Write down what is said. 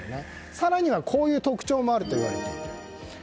更には、こういう特徴もあるといわれている。